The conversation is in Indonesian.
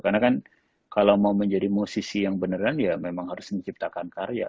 karena kan kalau mau menjadi musisi yang beneran ya memang harus menciptakan karya